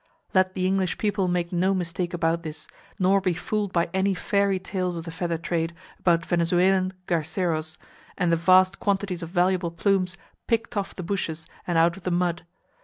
Let the English people make no mistake about this, nor be fooled by any fairy tales of the feather trade about Venezuelan "garceros," and vast quantities of valuable plumes picked off the bushes and out of the mud.